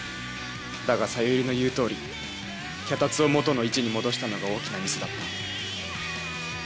だがさゆりの言う通り脚立を元の位置に戻したのが大きなミスだった。